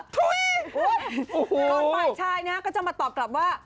ทุยีโอ้โฮแล้วก่อนไฟล์ชายนะจะมาตอบกลับว่า